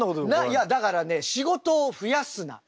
いやだからね仕事をふやすなみたいな。